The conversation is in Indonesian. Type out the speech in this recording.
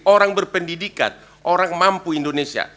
orang berpendidikan orang mampu indonesia